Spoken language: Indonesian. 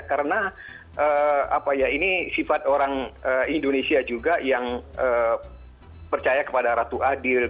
karena ini sifat orang indonesia juga yang percaya kepada ratu adil